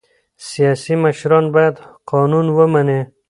سیاسي مشران باید قانون ومني